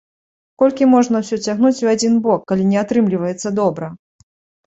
Колькі можна ўсё цягнуць у адзін бок, калі не атрымліваецца добра?!